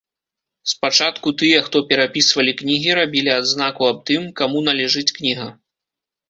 Спачатку тыя, хто перапісвалі кнігі, рабілі адзнаку аб тым, каму належыць кніга.